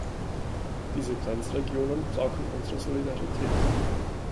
Diese Grenzregionen brauchen unsere Solidarität.